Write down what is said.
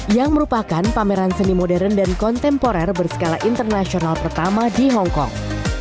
yang merupakan pameran seni modern dan kontemporer berskala internasional pertama di hongkong